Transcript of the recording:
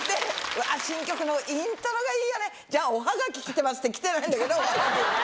新曲のイントロがいいよね、じゃあ、おはがき来てますって、来てないんだけど。